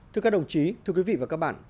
thưa các đồng chí thưa quý vị và các bạn